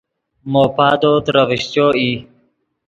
مو پادو ترے ڤیشچو ای